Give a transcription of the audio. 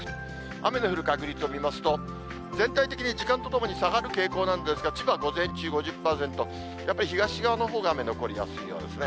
雨の降る確率を見ますと、全体的に時間とともに下がる傾向なんですが、千葉午前中５０％、やっぱり東側のほうが雨残りやすいようですね。